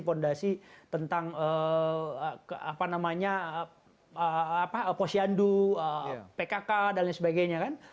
fondasi tentang apa namanya apa posyandu pkk dan lain sebagainya kan